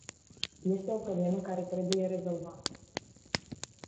Este o problemă care trebuie rezolvată.